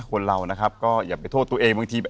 คนเรานะครับก็อย่าไปโทษตัวเองบางที